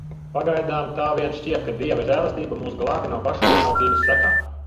Pagaidām tā vien šķiet, ka Dieva žēlastība mūs glābj no pašu vienaldzības sekām.